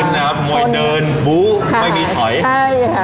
มมมวยเดินบุ๋ไม่มีท้อย